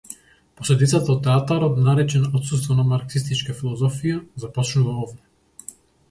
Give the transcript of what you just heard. Последицата од театарот наречен отсуство на марксистичката филозофија, започнува овде.